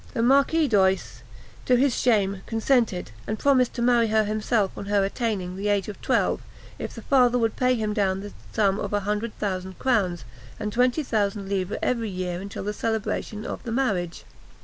The Marquis D'Oyse, to his shame, consented, and promised to marry her himself on her attaining the age of twelve, if the father would pay him down the sum of a hundred thousand crowns, and twenty thousand livres every year until the celebration of the marriage.